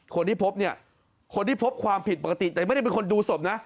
คนที่พบเนี่ยคนที่พบความผิดปกติแต่ไม่ได้เป็นคนดูศพนะ